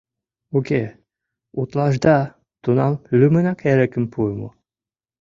Уке, «утлашда» тунам лӱмынак эрыкым пуымо.